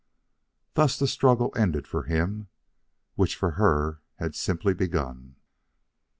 Thus the struggle ended for him, which for her had simply begun.